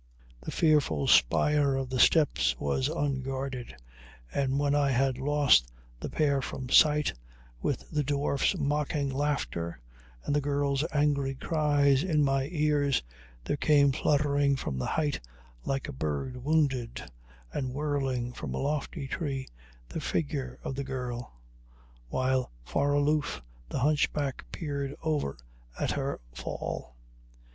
The fearful spire of the steps was unguarded, and when I had lost the pair from sight, with the dwarf's mocking laughter and the girl's angry cries in my ears, there came fluttering from the height, like a bird wounded and whirling from a lofty tree, the figure of the girl, while far aloof the hunchback peered over at her fall.